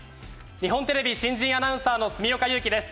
日本テレビ新人アナウンサーの住岡佑樹です。